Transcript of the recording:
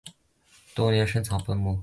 多年生草本。